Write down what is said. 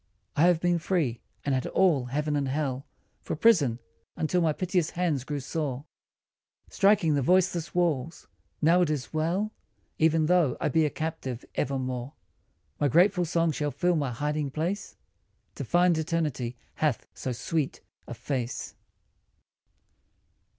I have been free, and had all heaven and hell For prison, until my piteous hands grew sore Striking the voiceless walls : now it is well Even though I be a captive evermore. My grateful song shall fill my hiding place To find Eternity hath so sweet a face.